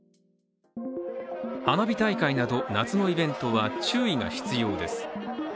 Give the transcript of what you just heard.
花火大会など夏のイベントは注意が必要です。